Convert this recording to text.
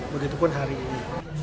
begitu pun hari ini